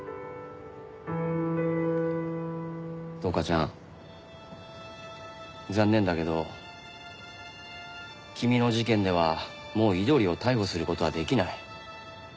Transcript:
橙花ちゃん残念だけど君の事件ではもう井鳥を逮捕する事はできない。